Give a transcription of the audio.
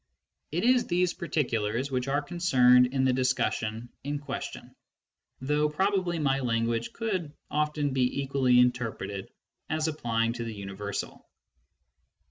It is these particulars which are concerned in the discussion in question, though probably my language could often be equally interpreted as applying to the universal.